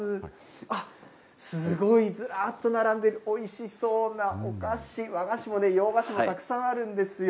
あっ、すごい。ずらっと並んで、おいしそうなお菓子、和菓子も洋菓子もたくさんあるんですよ。